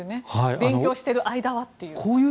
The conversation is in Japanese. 勉強している間はという。